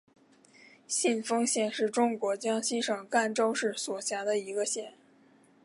信丰县是中国江西省赣州市所辖的一个县。